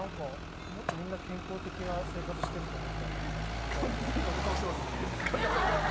もっとみんな健康的な生活をしてると思ったら。